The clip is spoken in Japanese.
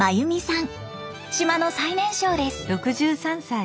島の最年少です。